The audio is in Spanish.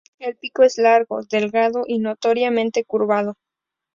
El pico es largo, delgado y notoriamente curvado.